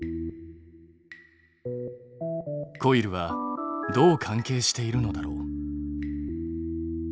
コイルはどう関係しているのだろう？